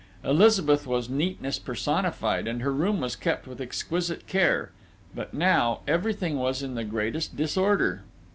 Elizabeth was neatness personified, and her room was kept with exquisite care but now, everything was in the greatest disorder....